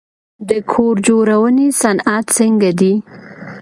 د کور جوړونې صنعت څنګه دی؟